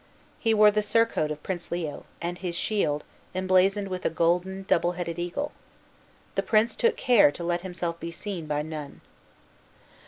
He wore the surcoat of Prince Leo, and his shield, emblazoned with a golden, double headed eagle. The prince took care to let himself be seen by none.